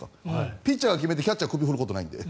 ピッチャーが決めてキャッチャーが首を振ることはないので。